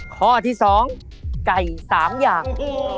ข้อที่สองไก่สามอย่าง